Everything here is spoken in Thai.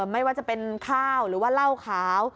ไม่ว่าจะเป็นข้าวหรือว่าเหล้าขาว